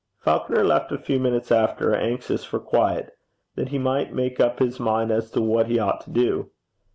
Falconer left a few minutes after, anxious for quiet that he might make up his mind as to what he ought to do.